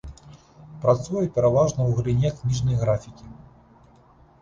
Працуе пераважна ў галіне кніжнай графікі.